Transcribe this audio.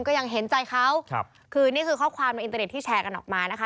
ก็ยังเห็นใจเขาครับคือนี่คือข้อความในอินเตอร์เน็ตที่แชร์กันออกมานะคะ